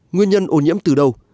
nguyên nhân ô nhiễm từ đâu